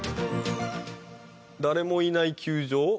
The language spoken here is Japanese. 誰もいない球場